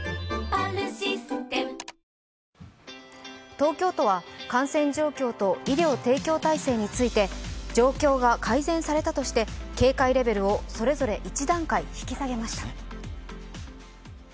東京都は感染状況と医療提供体制について状況が改善されたとして警戒レベルをそれぞれ１段階、引き下げました。